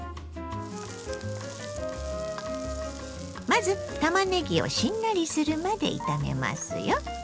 まずたまねぎをしんなりするまで炒めますよ。